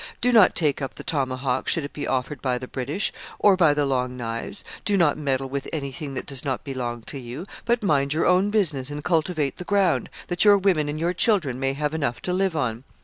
do not take up the tomahawk should it be offered by the British, or by the Long Knives; do not meddle with anything that does not belong to you, but mind your own business and cultivate the ground, that your women and your children may have enough to live on.